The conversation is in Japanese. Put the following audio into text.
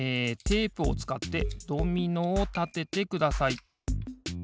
テープをつかってドミノをたててください。